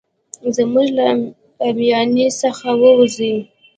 زموږ له اميانۍ څخه ووزي.